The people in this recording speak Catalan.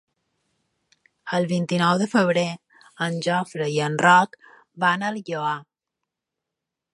El vint-i-nou de febrer en Jofre i en Roc van al Lloar.